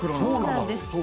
そうなんです。